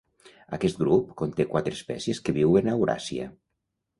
Aquest grup conté quatre espècies que viuen a Euràsia.